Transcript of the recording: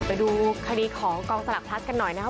ไปดูคดีของกองสลักพลัสกันหน่อยนะครับ